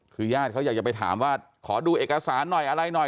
คือญาติเขาอยากจะไปถามว่าขอดูเอกสารหน่อยอะไรหน่อย